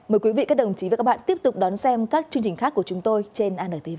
mời quý vị các đồng chí và các bạn tiếp tục đón xem các chương trình khác của chúng tôi trên antv